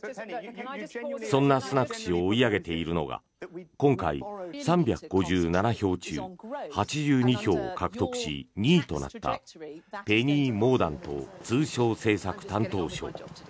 そんなスナク氏を追い上げているのが今回、３５７票中８２票を獲得し２位となったペニー・モーダント通商政策担当相。